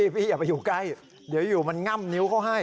อย่าไปอยู่ใกล้เดี๋ยวอยู่มันง่ำนิ้วเขาให้